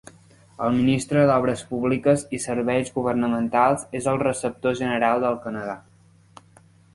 El ministre d'obres públiques i serveis governamentals és el receptor general del Canadà.